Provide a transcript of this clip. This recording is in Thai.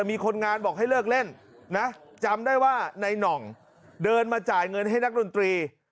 มีคนงานบอกให้เลิกเล่นนะจำได้ว่าในหน่องเดินมาจ่ายเงินให้นักดนตรี